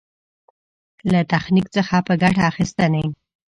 له تخنيک څخه په ګټه اخېستنه.